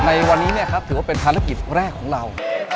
ในวันนี้นะครับถือว่าเป็นภารกิจแรกของเรา